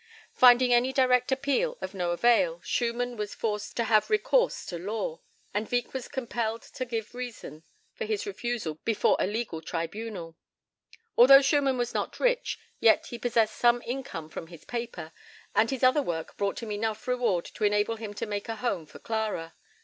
Finding any direct appeal of no avail, Schumann was forced to have recourse to law, and Wieck was compelled to give reason for his refusal before a legal tribunal. Although Schumann was not rich, yet he possessed some income from his paper, and his other work brought him enough reward to enable him to make a home for Clara.